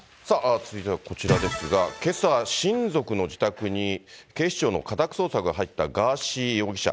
続いてはこちらですが、けさ、親族の自宅に警視庁の家宅捜索が入ったガーシー容疑者。